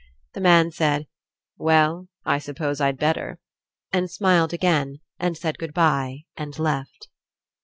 The man said: "Well, I suppose I'd better," and smiled again, and said good bye, and left.